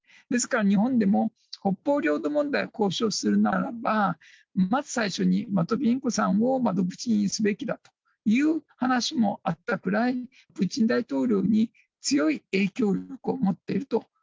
ですから日本でも北方領土問題を交渉するならば、まず最初にマトビエンコさんを窓口にすべきだという話もあったくらい、プーチン大統領に強い影響力を持っていると。